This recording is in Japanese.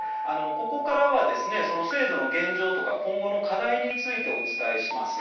ここからは制度の現状とか今後の課題についてお伝えします。